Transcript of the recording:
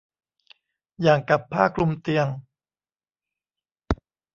อย่างกับผ้าคลุมเตียง